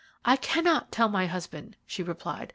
"I cannot tell my husband," she replied.